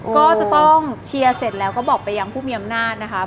ก็จะต้องเชียร์เสร็จแล้วก็บอกไปยังผู้มีอำนาจนะคะ